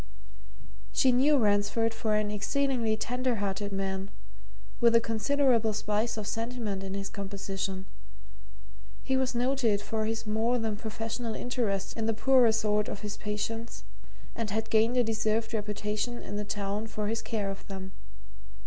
She knew Ransford for an exceedingly tender hearted man, with a considerable spice of sentiment in his composition: he was noted for his more than professional interest in the poorer sort of his patients and had gained a deserved reputation in the town for his care of them.